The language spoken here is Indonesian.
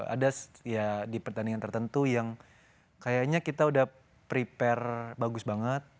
ada ya di pertandingan tertentu yang kayaknya kita udah prepare bagus banget